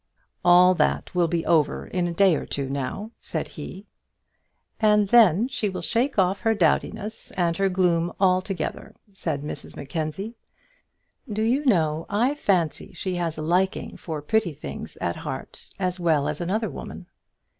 "All that will be over in a day or two now," said he. "And then she will shake off her dowdiness and her gloom together," said Mrs Mackenzie. "Do you know I fancy she has a liking for pretty things at heart as well as another woman."